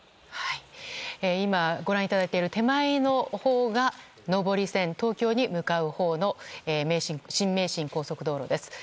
今、ご覧いただいている手前のほうが上り線東京に向かうほうの新名神高速道路です。